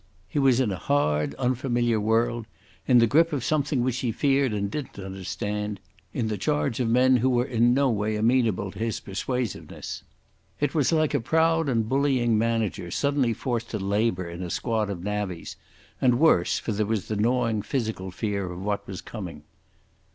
He was in a hard, unfamiliar world, in the grip of something which he feared and didn't understand, in the charge of men who were in no way amenable to his persuasiveness. It was like a proud and bullying manager suddenly forced to labour in a squad of navvies, and worse, for there was the gnawing physical fear of what was coming.